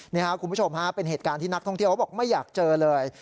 นี่ครับคุณผู้ชมฮะเป็นเหตุการณ์ที่นักท่องเที่ยวเขาบอกไม่อยากเจอเลย